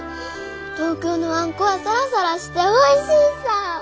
東京のあんこはサラサラしておいしいさぁ。